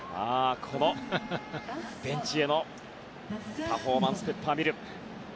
このベンチへのパフォーマンス、ペッパーミル。